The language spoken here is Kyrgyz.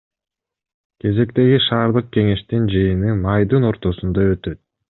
Кезектеги шаардык кеңештин жыйыны майдын ортосунда өтөт.